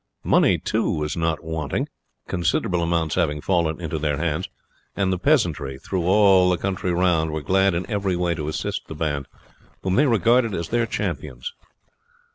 Money, too, was not wanting, considerable amounts having fallen into their hands, and the peasantry through all the country round were glad in every way to assist the band, whom they regarded as their champions.